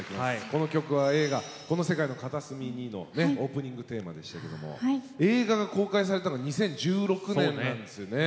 この曲は映画「この世界の片隅に」のオープニングテーマでしたけども映画が公開されたのは２０１６年なんですよね。